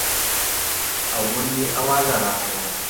اول یې اوازه راغله.